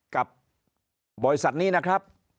กับบริษัทนี้นะครับ